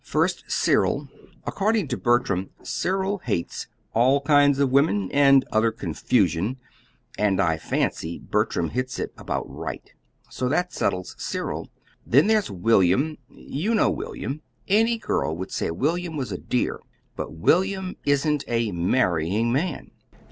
First, Cyril: according to Bertram Cyril hates 'all kinds of women and other confusion'; and I fancy Bertram hits it about right. So that settles Cyril. Then there's William you know William. Any girl would say William was a dear; but William isn't a MARRYING man.